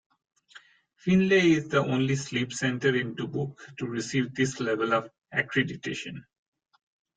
Finley is the only sleep center in Dubuque to receive this level of accreditation.